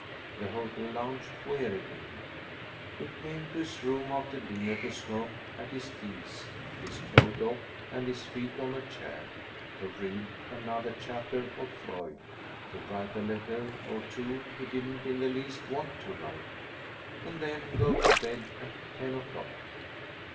The hotel lounge wearied him; he came to his room after dinner to smoke at his ease, his coat off and his feet on a chair; to read another chapter of Freud, to write a letter or two he didn't in the least want to write, and then go to bed at ten o'clock.